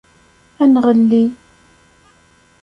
Ad nɣelli.